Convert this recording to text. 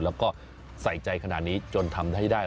แล้วก็ใส่ใจขนาดนี้จนทำให้ได้